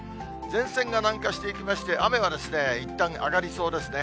前線が南下していきまして、雨はいったん上がりそうですね。